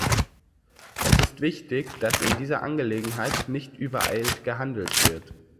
Es ist wichtig, dass in dieser Angelegenheit nicht übereilt gehandelt wird.